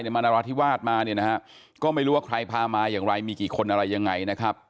มานราธิวาสมาเนี่ยนะฮะก็ไม่รู้ว่าใครพามาอย่างไรมีกี่คนอะไรยังไงนะครับ